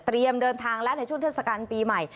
เดินทางแล้วในช่วงเทศกาลปีใหม่